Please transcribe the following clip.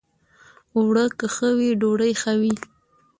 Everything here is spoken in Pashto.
اوړه که ښه وي، ډوډۍ ښه وي